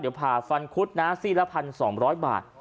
เดี๋ยวผ่าฟันคุดนะ๔ละพัน๒๐๐บาท